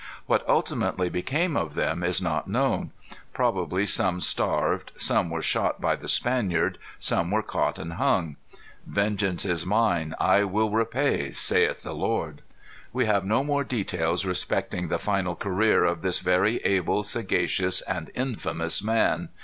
What ultimately became of them is not known. Probably some starved; some were shot by the Spaniards; some were caught and hung. "Vengeance is mine; I will repay, saith the Lord." We have no more details respecting the final career of this very able, sagacious, and infamous man.